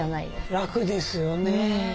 楽ですよね。